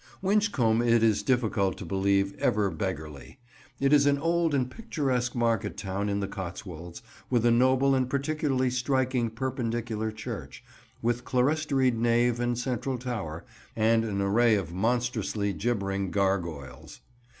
Winchcombe it is difficult to believe ever "beggarly." It is an old and picturesque market town in the Cotswolds, with a noble and particularly striking Perpendicular church, with clerestoried nave and central tower, and an array of monstrously gibbering gargoyles.